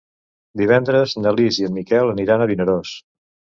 Divendres na Lis i en Miquel aniran a Vinaròs.